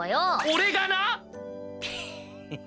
俺がなっ！！